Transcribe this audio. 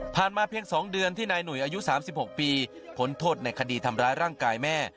ผ่านมาเพียงสองเดือนที่นายหนุ่ยอายุสามสิบหกปีผลโทษในคดีทำร้ายร่างกายแม่